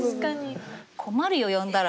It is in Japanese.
困るよ呼んだら。